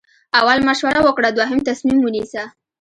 اول مشوره وکړه دوهم تصمیم ونیسه.